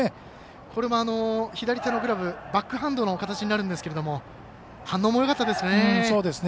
これも左手のグラブバックハンドの形になるんですが反応もよかったですね。